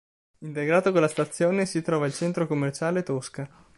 Integrato con la stazione, si trova il centro commerciale Tosca.